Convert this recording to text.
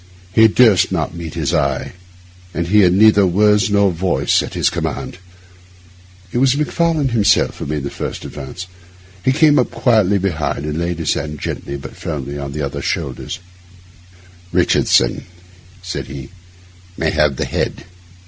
He durst not meet his eye, and he had neither words nor voice at his command. It was Macfarlane himself who made the first advance. He came up quietly behind and laid his hand gently but firmly on the other's shoulder. 'Richardson,' said he, 'may have the head.